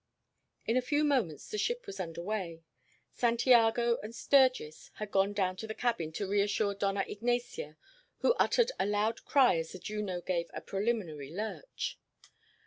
In a few moments the ship was under way. Santiago and Sturgis had gone down to the cabin to reassure Dona Ignacia, who uttered a loud cry as the Juno gave a preliminary lurch.